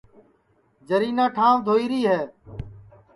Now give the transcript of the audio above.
جرینا ٹھانٚوَ دھوئی ری ہے